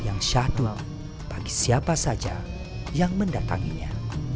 yang syahdul bagi siapa saja yang mendatanginya